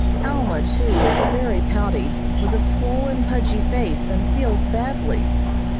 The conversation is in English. Alma, too, is very pouty, with a swollen, pudgy face, and feels badly.